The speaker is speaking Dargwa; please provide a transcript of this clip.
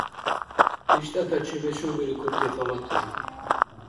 БиштӀатачи мешубиркути халати